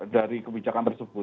dari kebijakan tersebut